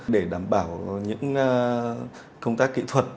để đảm bảo những công tác kỹ thuật